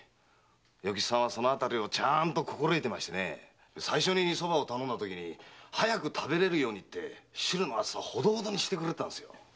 与吉さんはそれをちゃんと心得ていて最初に蕎麦を頼んだとき早く食べられるように汁の熱さをほどほどにしてくれたんです。